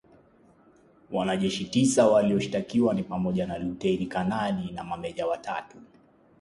Wanajeshi tisa walioshtakiwa ni pamoja na lutein kanali na mameja watatu